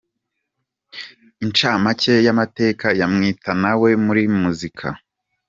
Inshamake y’amateka ya Mwitenawe muri muzika.